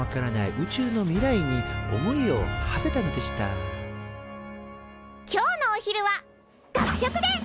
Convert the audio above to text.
宇宙の未来に思いをはせたのでした今日のお昼は学食でっ！